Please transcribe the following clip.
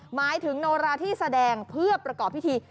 หมายถึงโนราที่แสดงเพื่อประกอบพิธี